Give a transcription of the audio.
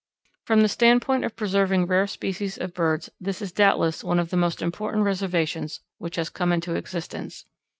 From the standpoint of preserving rare species of birds this is doubtless one of the most important reservations which has come into existence.